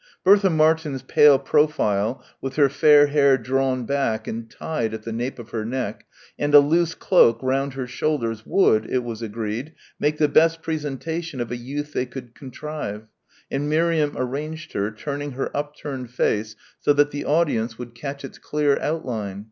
Bertha Martin's pale profile, with her fair hair drawn back and tied at the nape of her neck and a loose cloak round her shoulders would, it was agreed, make the best presentation of a youth they could contrive, and Miriam arranged her, turning her upturned face so that the audience would catch its clear outline.